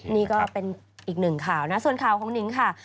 นี่ก็เป็นอีกหนึ่งข่าวนะส่วนข่าวของนิงค่ะ